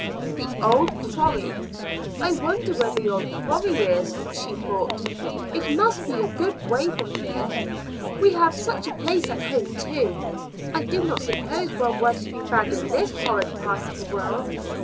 "The old quarry! I wonder where the old quarry is," she thought. "It must be a good way from here. We have such a place at home, too. I did not suppose one was to be found in this horrid part of the world.